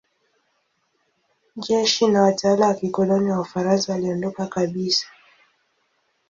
Jeshi na watawala wa kikoloni wa Ufaransa waliondoka kabisa.